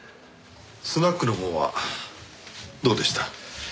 スナックのほうはどうでした？